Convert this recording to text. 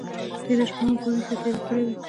تېره شپه مو په ویښه تېره کړې وه.